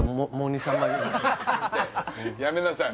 やめなさい